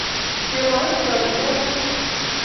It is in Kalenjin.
chemoityon chesiny